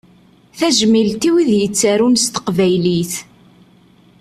Tajmilt i wid yettarun s teqbaylit.